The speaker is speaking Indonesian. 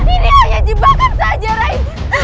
ini hanya jebakan saja rai